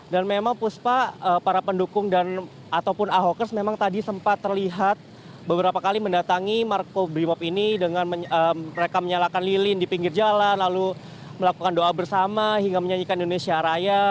dan memang puspa para pendukung dan ataupun ahokers memang tadi sempat terlihat beberapa kali mendatangi makobrimob ini dengan mereka menyalakan lilin di pinggir jalan lalu melakukan doa bersama hingga menyanyikan indonesia raya